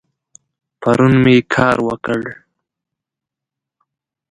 پرون می کار وکړ